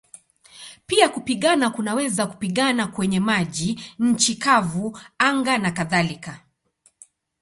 Pia kupigana kunaweza kupigana kwenye maji, nchi kavu, anga nakadhalika.